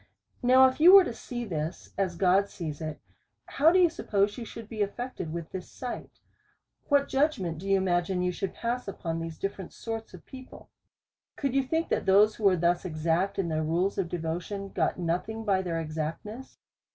Now if you was to see this, as God sees it, how do you suppose you should be affected with this sight? What judgment do you imagine you should pass upon these different sorts of people? Could you think, that those who were thus exact in their rules of devotion, got nothing by their exactness